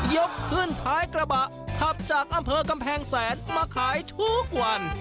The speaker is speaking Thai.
ยกขึ้นท้ายกระบะขับจากอำเภอกำแพงแสนมาขายทุกวัน